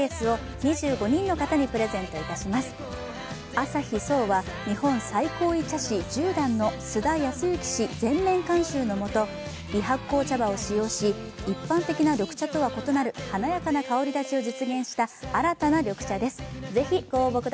アサヒ颯は日本最高位茶師十段の酢田恭行氏全面監修の下微発酵茶葉を使用し、一般的な緑茶とは異なる華やかな香り立ちを実現した新たな緑茶です。